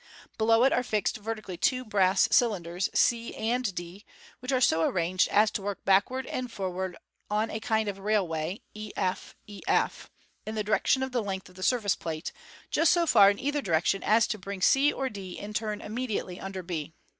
Below it are fixed vertically two brass C}lmders c and d, which are so arranged as to work backwards and forwards on a kind of railway efef, in the direction of the length of the surface plate, just so far in either direction as to bring c or d in turn immediately fZ cl a under b.